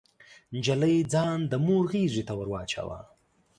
نجلۍ ځان د مور غيږې ته ور واچاوه.